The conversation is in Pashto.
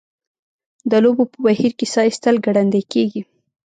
د لوبو په بهیر کې ساه ایستل ګړندۍ کیږي.